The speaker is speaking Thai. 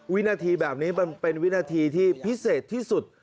วินาทีแบบนี้มันเป็นวินาทีที่พิเศษที่สุด